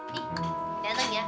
nih dateng ya